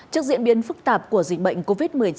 trước diễn biến phức tạp của dịch bệnh covid một mươi chín